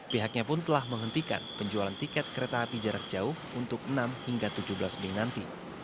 pihaknya pun telah menghentikan penjualan tiket kereta api jarak jauh untuk enam hingga tujuh belas mei nanti